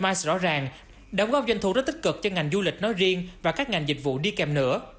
mice rõ ràng đóng góp doanh thu rất tích cực cho ngành du lịch nói riêng và các ngành dịch vụ đi kèm nữa